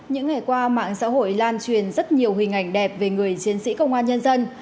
những ngày qua mạng xã hội lan truyền rất nhiều hình ảnh đẹp về người chiến sĩ công an nhân dân